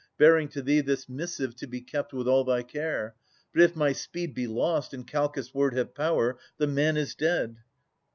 Bearing to thee this missive to be kept With all thy care. But if my speed be lost. And Calchas' word have power, the man is dead.